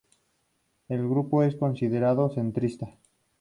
El grupo es considerado centrista.